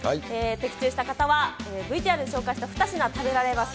的中した方は、ＶＴＲに紹介した２品食べられます。